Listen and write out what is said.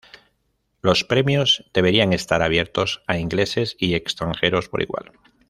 Los premios deberían estar abiertos a ingleses y extranjeros por igual.